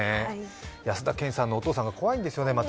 安田顕さんのお父さんが怖いんですよね。